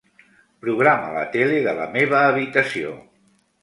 Programa la tele de la meva habitació.